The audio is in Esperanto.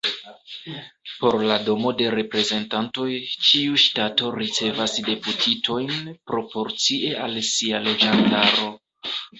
Por la Domo de Reprezentantoj, ĉiu ŝtato ricevas deputitojn proporcie al sia loĝantaro.